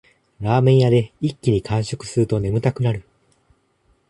ラーメン屋で一気に完食すると眠たくなる